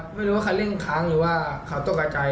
รถไม่รู้ว่าแค่เร่งคังหรือว่าหลับตกอะจาย